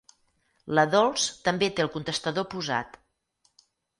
La Dols també té el contestador posat.